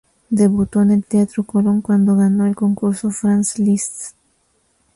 Debutó en el Teatro Colón cuando ganó el concurso Franz Liszt.